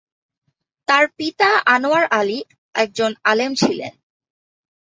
তার পিতা আনোয়ার আলী একজন আলেম ছিলেন।